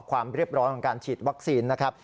ความเรียบร้อยของการฉีดวัคซีนนะครับ